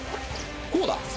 こうだ。